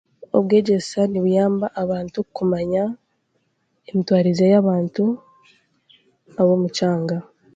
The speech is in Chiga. Obwegyese nibuyamba abantu kumanya emitwarize y'abantu ab'omu kyanga.